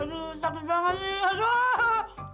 aduh sakit banget nih aduh